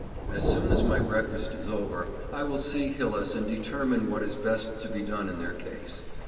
As soon as my breakfast is over, I will see Hillis and determine what is best to be done in their case.